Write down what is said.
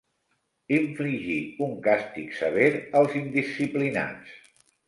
Infligir un càstig sever als indisciplinats.